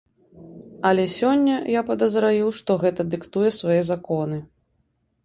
Але сёння, я падазраю, што гэта дыктуе свае законы.